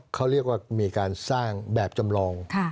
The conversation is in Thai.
เขาเรียกว่ามีการสร้างแบบจำลอง